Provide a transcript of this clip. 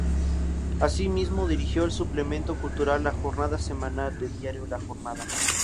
Asimismo dirigió el suplemento cultural "La Jornada Semanal" del diario "La Jornada".